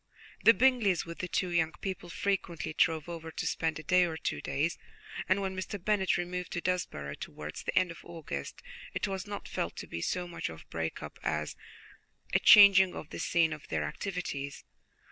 The Bingleys, with the two young people, frequently drove over to spend a day or two days, and when Mr. Bennet removed to Desborough towards the end of August, it was not felt to be so much of a break up as a changing of the scene of their activities.